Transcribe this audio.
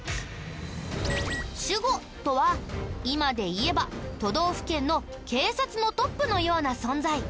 守護とは今でいえば都道府県の警察のトップのような存在。